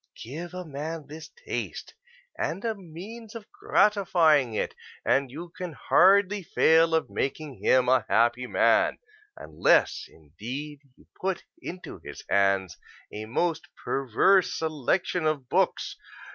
Give a man this taste and a means of gratifying it, and you can hardly fail of making him a happy man; unless, indeed, you put into his hands a most perverse selection of books.